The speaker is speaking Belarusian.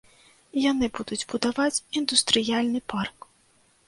Яны будуць будаваць індустрыяльны парк.